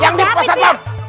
yang di pasak bom